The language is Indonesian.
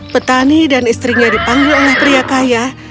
petani dan istrinya dipanggil oleh pria kaya